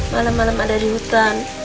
malam malam ada di hutan